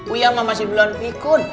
uya mah masih belum pikun